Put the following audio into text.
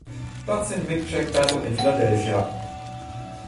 Platz im Mic Check Battle in Philadelphia.